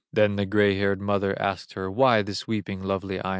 Then the gray haired mother asked her: "Why this weeping, lovely Aino?